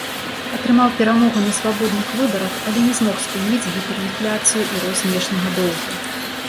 Атрымаў перамогу на свабодных выбарах, але не змог спыніць гіперінфляцыю і рост знешняга доўгу.